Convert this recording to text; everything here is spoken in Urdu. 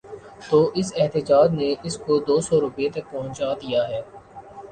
تو اس احتجاج نے اس کو دوسو روپے تک پہنچا دیا ہے۔